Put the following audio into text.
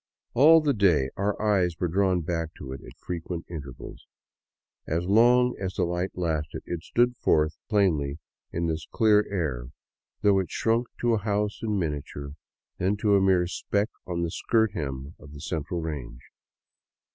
All the day through our eyes were drawn back to it at frequent intervals, and as long as the light lasted it stood forth plainly in this clear air, though it shrunk to a house in miniature, then to a mere speck on the skirt hem of the central range.